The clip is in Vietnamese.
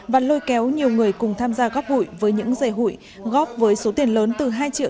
và lôi kéo nhiều người cùng tham gia góp hủy với những dây hủy góp với số tiền lớn từ hai triệu